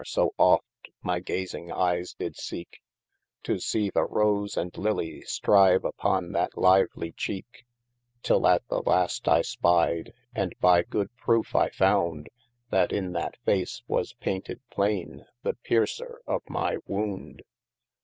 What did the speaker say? so oft my gazing eies did seeke, To see the rose and Lillie strive upon that livelie cheeke : Till at the last I spied, and by good proofe I founde, That in that face was painted plaine, the pearcer of my wound.